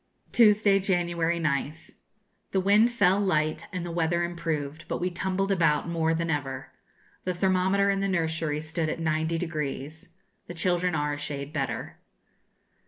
Tuesday, January 9th. The wind fell light, and the weather improved; but we tumbled about more than ever. The thermometer in the nursery stood at 90°. The children are a shade better.